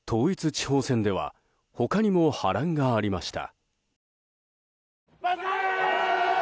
地方選では他にも波乱がありました。